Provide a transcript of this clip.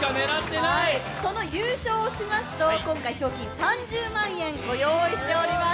その優勝をしますと、今回、賞金３０万円を用意しています。